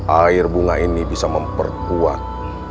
air bunga ini bisa memperkuat